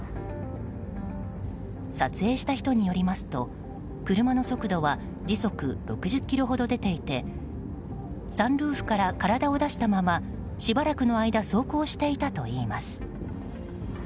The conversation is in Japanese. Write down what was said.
撮影した人によりますと車の速度は時速６０キロほど出ていてサンルーフから体を出したまましばらくの間走行していたといいます。